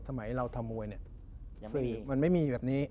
สมัยที่เราทำมวยมันไม่มีอย่างนี้